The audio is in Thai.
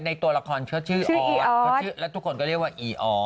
ตัวละครเขาชื่อออสแล้วทุกคนก็เรียกว่าอีออส